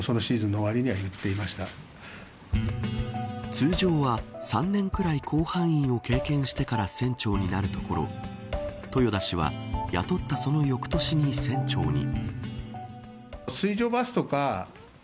通常は３年くらい甲板員を経験してから船長になるところ豊田氏は雇ったその翌年に船長に。